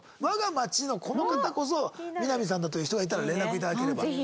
我が町のこの方こそみな実さんだという人がいたら連絡いただければ。